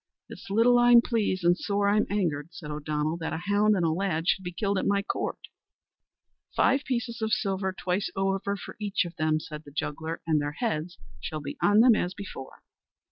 "It's little I'm pleased, and sore I'm angered," said O'Donnell, "that a hound and a lad should be killed at my court." "Five pieces of silver twice over for each of them," said the juggler, "and their heads shall be on them as before."